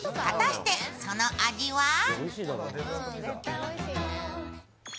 果たして、その味は？